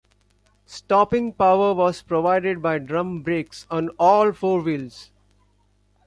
Stopping power was provided by drum brakes on all four wheels.